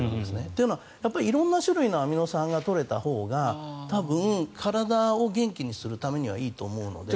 というのは色んな種類のアミノ酸を取れたほうが多分、体を元気にするためにはいいと思うので。